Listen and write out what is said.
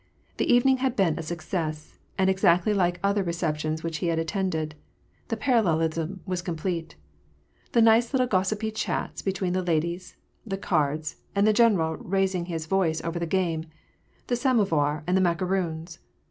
The evening had been a success, and exactly like other receptions which he had attended. The parallelism was complete. The nice little gossipy chats be tween the ladies ; the cards, and the general raising his voice over the game ; the samovar and the macaroons